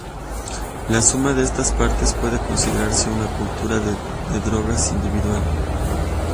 La suma de estas partes puede considerarse una "cultura" de drogas individual.